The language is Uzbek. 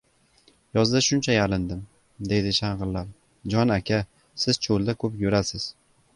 Yozda shuncha yalindim, - deydi shang‘illab, - jon aka, siz cho‘lda ko‘p yurasiz.